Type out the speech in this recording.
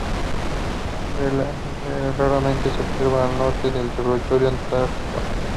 Raramente se observan al norte del territorio antártico.